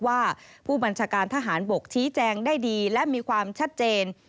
ว่าผู้บัญชาการทหารบกชี้แจงได้ดีและมีความชัดเจน